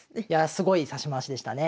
すごい指し回しでしたね。